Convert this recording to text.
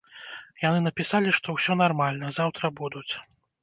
Яны напісалі, што ўсё нармальна, заўтра будуць.